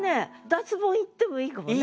脱ボンいってもいいかもね。